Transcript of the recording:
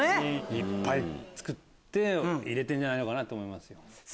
いっぱい作って入れてるんじゃないかと思います。